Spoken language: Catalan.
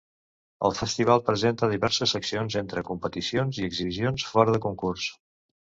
El festival presenta diverses seccions, entre competicions i exhibicions fora de concurs.